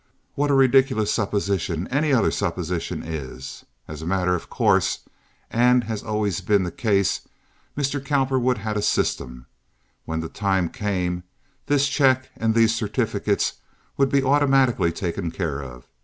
What a ridiculous supposition any other supposition is! As a matter of course and as had always been the case, Mr. Cowperwood had a system. When the time came, this check and these certificates would be automatically taken care of.